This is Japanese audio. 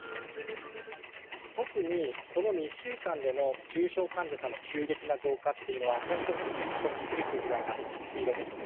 特にこの２週間での重症患者さんの急激な増加っていうのは、本当にこっちもびっくりするぐらいなスピードですね。